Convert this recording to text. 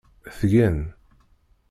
Tgen.